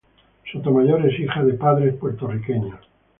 Sotomayor es hija de padres puertorriqueños.